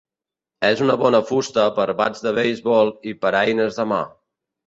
És una bona fusta per bats de beisbol i per a eines de mà.